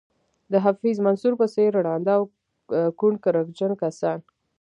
د حفیظ منصور په څېر ړانده او کڼ کرکجن کسان.